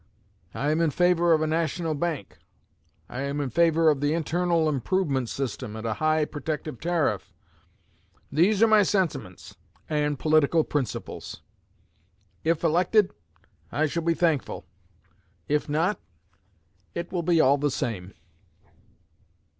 I am in favor of a national bank. I am in favor of the internal improvement system and a high protective tariff. These are my sentiments and political principles. If elected I shall be thankful. If not, it will be all the same.'"